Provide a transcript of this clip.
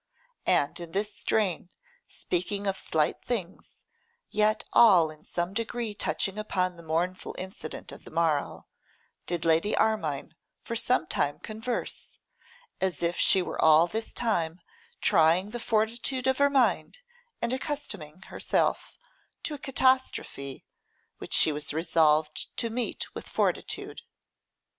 And in this strain, speaking of slight things, yet all in some degree touching upon the mournful incident of the morrow, did Lady Armine for some time converse, as if she were all this time trying the fortitude of her mind, and accustoming herself to a catastrophe which she was resolved to meet with fortitude.